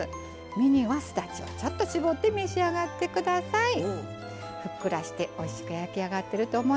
身には、すだちをちょっと搾って召し上がってください。